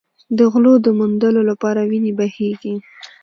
د غلو د موندلو لپاره وینې بهېږي.